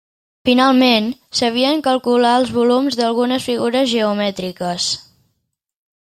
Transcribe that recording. Finalment sabien calcular volums d'algunes figures geomètriques.